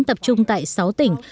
tập trung tại sáu tỉnh